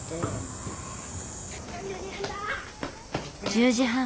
１０時半。